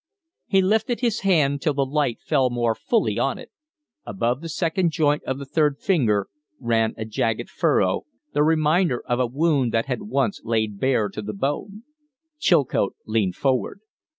He lifted his hand till the light fell more fully on it. Above the second joint of the third finger ran a jagged furrow, the reminder of a wound that had once laid bare the bone. Chilcote leaned forward.